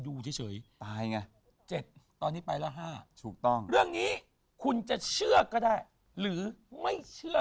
อยู่เฉยตายไง๗ตอนนี้ไปละ๕ถูกต้องเรื่องนี้คุณจะเชื่อก็ได้หรือไม่เชื่อ